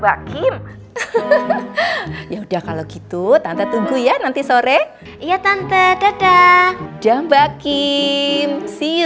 sama mbak kim ya udah kalau gitu tante tunggu ya nanti sore ya tante dadah dan mbak kim see you